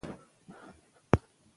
د حق غږ باید پورته کړو.